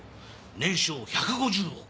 年商１５０億！